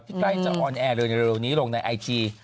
ใกล้จะออนแอร์เร็วนี้ลงในไอจี